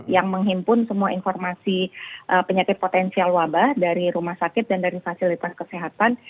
yang menghimpun semua informasi penyakit potensial wabah dari rumah sakit dan dari fasilitas kesehatan